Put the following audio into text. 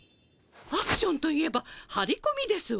アクションといえばはりこみですわ。